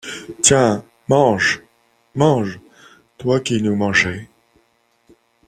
Tiens ! mange, mange, toi qui nous mangeais !